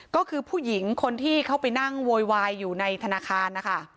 ก็คือผู้หญิงคนที่เข้าไปนั่งโวยวายอยู่ในธนาคารนะคะ